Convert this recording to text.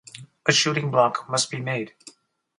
A shooting-block must be made.